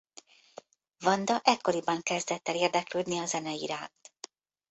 Wanda ekkoriban kezdett el érdeklődni a zene iránt.